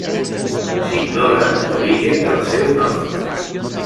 S'ignora l'origen del seu nom.